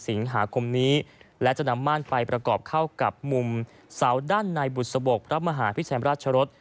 สิงหาคมนี้และจะนำม่านไปประกอบเข้ากับมุมเสาด้านในบุษบกพระมหาพิชัยราชรส